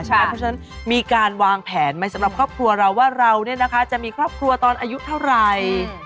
เพราะฉะนั้นมีการวางแผนไหมสำหรับครอบครัวเราว่าเราจะมีครอบครัวตอนอายุเท่าไหร่